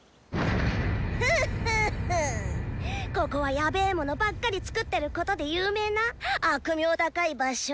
フッフッフッここはヤベェものばっかり作ってることで有名な悪名高い場所